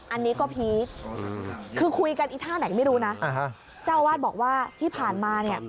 อันนี้ก็พีคคือคุยกันอีท่าไหนไม่รู้นะเจ้าอาวาสบอกว่าที่ผ่านมาเนี่ย